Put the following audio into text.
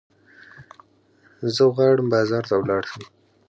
زه غواړم بازار ته ولاړ شم.